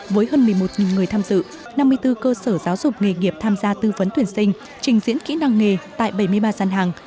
với hơn một mươi một người tham dự năm mươi bốn cơ sở giáo dục nghề nghiệp tham gia tư vấn tuyển sinh trình diễn kỹ năng nghề tại bảy mươi ba gian hàng